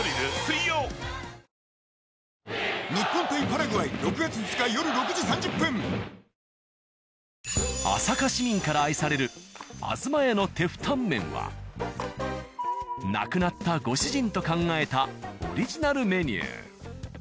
これは朝霞市民から愛される「あづま家」のテフタンメンは亡くなったご主人と考えたオリジナルメニュー。